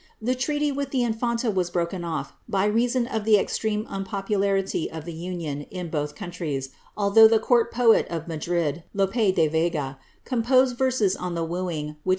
The treaty with the infanta was broken ofl^ by reason of the extreme unpopularity of the union in both countries, although the court poet of Madrid, Lope de Vega, composed verses on the wooing, which have * Memoirs of Henrietta Maria, 1671.